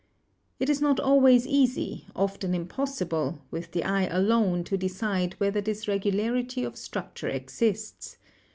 It is not always easy, often impossible, with the eye alone to decide whether this regularity of structure exists.